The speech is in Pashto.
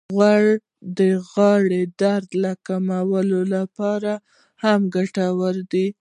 غوړې د غاړې د درد کمولو لپاره هم ګټورې دي.